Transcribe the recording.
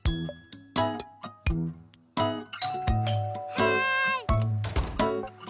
はい。